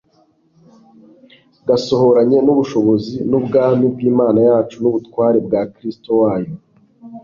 gasohoranye n'ubushobozi n'ubwami bw'Imana yacu n'ubutware bwa Kristo wayo.